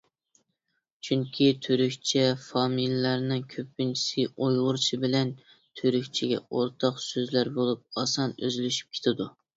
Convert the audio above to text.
چۈنكى تۈركچە فامىلىلەرنىڭ كۆپىنچىسى ئۇيغۇرچە بىلەن تۈركچىگە ئورتاق سۆزلەر بولۇپ ئاسان ئۆزلىشىپ كېتىدۇ.